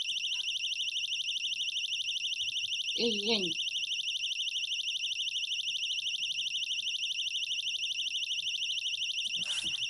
iġġiñ